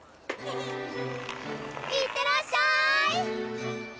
いってらっしゃい！